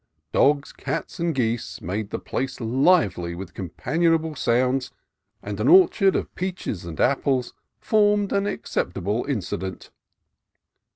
Dogs, cats, and geese made the place lively with companionable sounds, and an orchard of peaches and apples formed an acceptable incident.